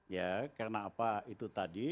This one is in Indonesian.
ya karena apa itu tadi